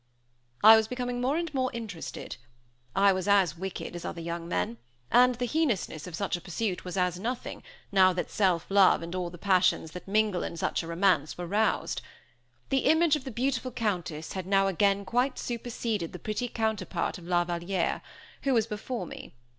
I was becoming more and more interested. I was as wicked as other young men, and the heinousness of such a pursuit was as nothing, now that self love and all the passions that mingle in such a romance were roused. The image of the beautiful Countess had now again quite superseded the pretty counterpart of La Vallièe, who was before me.